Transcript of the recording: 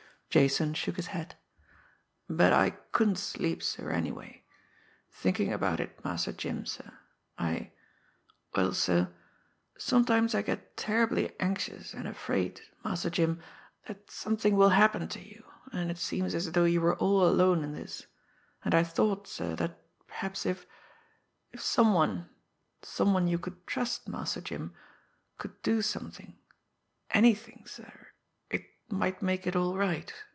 Jason shook his head. "But I couldn't sleep, sir, anyway thinking about it, Master Jim, sir. I well, sir sometimes I get terribly anxious and afraid, Master Jim, that something will happen to you, and it seems as though you were all alone in this, and I thought, sir, that perhaps if if some one some one you could trust, Master Jim, could do something anything, sir, it might make it all right.